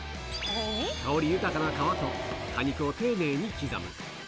香り豊かな皮と、果肉を丁寧に刻む。